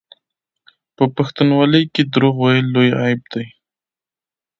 په پښتونولۍ کې دروغ ویل لوی عیب دی.